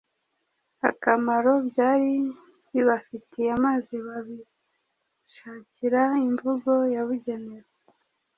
akamaro byari bibafitiye maze babishakira imvugo yabugenewe.